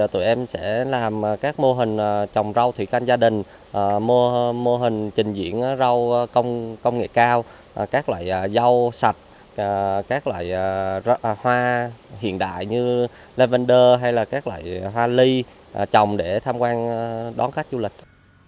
tụi em sẽ làm các mô hình trồng rau thủy canh gia đình mô hình trình diễn rau công nghệ cao các loại rau sạch các loại hoa hiện đại như lavender hay là các loại hoa ly trồng để tham quan đón khách du lịch